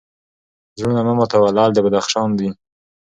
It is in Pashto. زړونه مه ماتوه لعل د بدخشان دی